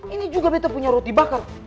ini juga kita punya roti bakar